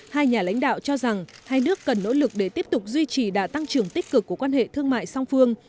hai nhà lãnh đạo cho rằng hai nước cần nỗ lực để tiếp tục duy trì đà tăng trưởng tích cực của quan hệ thương mại song phương